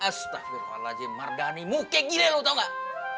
astaghfirullahaladzim mardhani muka gila lo tau gak